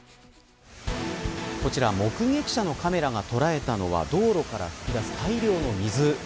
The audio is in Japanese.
こちら目撃者のカメラが捉えたのは道路から噴き出す大量の水。